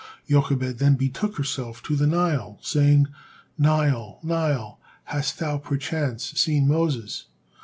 Jochebed then betook herself to the Nile, saying, "Nile, Nile, hast thou perchance seen Moses?"